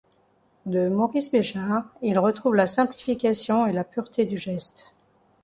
De Maurice Béjart il retrouve la simplification et la pureté du geste.